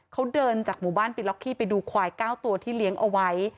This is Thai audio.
เขาเดินจากหมู่บ้านปิล็อกกี้ไปดูควาย๙ตัวที่เลี้ยงเอาไว้